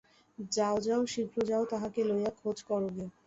যাও যাও, শীঘ্র যাও, তাঁহাকে লইয়া খোঁজ করো গে।